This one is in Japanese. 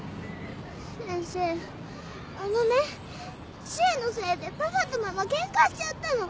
先生あのね知恵のせいでパパとママケンカしちゃったの！